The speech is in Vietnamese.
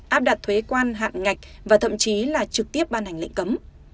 áp đặt thuế quan hạn ngạch và thậm chí là trực tiếp ban hành lệnh cấm